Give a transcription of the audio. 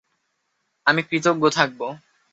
আমি কৃতজ্ঞ থাকব।